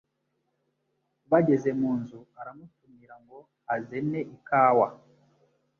Bageze mu nzu, aramutumira ngo azene ikawa